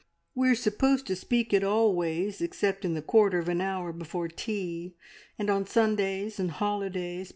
"We are supposed to speak it always, except in the quarter of an hour before tea, and on Sundays, and holidays.